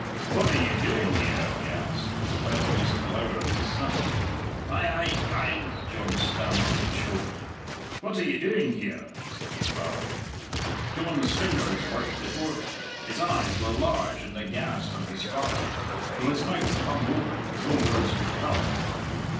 "What are you doing here?" he asked, with the wild beast glower on his son. "I I I " John stammered and choked. "What are you doing here?" said his father. John's fingers worked before him; his eyes were large and aghast on his father; though his mouth hung open no words would come.